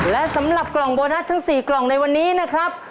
และสำหรับกล่องโบนัสทั้ง๔กล่องในวันนี้นะครับ